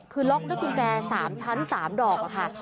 คือล็อกด้วยกุญแจ๓ชั้น๓ดอกค่ะ